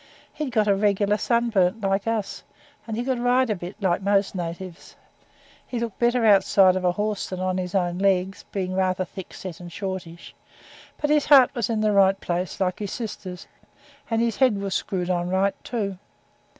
He'd got regular sunburnt like us, and, as he could ride a bit, like most natives, he looked better outside of a horse than on his own legs, being rather thick set and shortish; but his heart was in the right place, like his sister's, and his head was screwed on right, too.